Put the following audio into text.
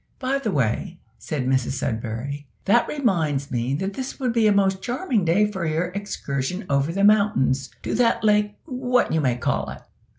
"By the way," said Mrs Sudberry, "that reminds me that this would be a most charming day for your excursion over the mountains to that Lake What you may call it."